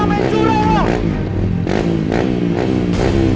nani ame curah loh